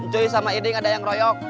joy sama iding ada yang royok